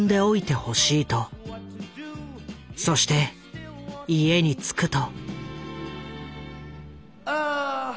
そして家に着くと。